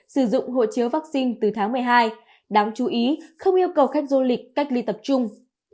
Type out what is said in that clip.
sử dụng hộ chiếu vaccine từ tháng một mươi hai đáng chú ý không yêu cầu khách du lịch cách ly tập trung